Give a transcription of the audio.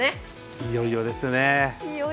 いよいよですね。